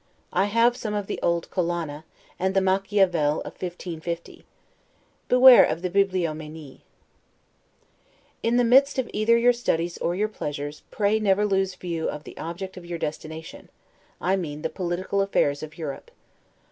I have some of the old Collana, and the Machiavel of 1550. Beware of the 'Bibliomanie'. In the midst of either your studies or your pleasures, pray never lose view of the object of your destination: I mean the political affairs of Europe.